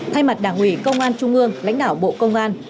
thay mặt đảng ủy công an trung ương lãnh đạo bộ công an